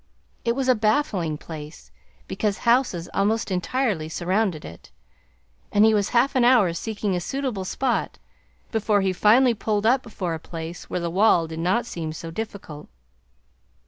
It was a baffling place, because houses almost entirely surrounded it; and he was half an hour seeking a suitable spot before he finally pulled up before a place where the wall did not seem so difficult.